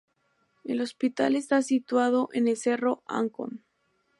El hospital está situado en el Cerro Ancón.